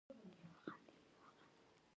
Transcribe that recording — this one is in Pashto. آیا کاناډا د کرنې اداره نلري؟